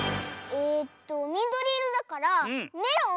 えっとみどりいろだからメロン？